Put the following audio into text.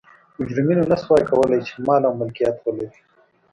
مجرمینو نه شوای کولای چې مال او ملکیت ولري.